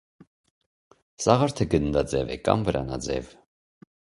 Սաղարթը գնդաձև է կամ վրանաձև։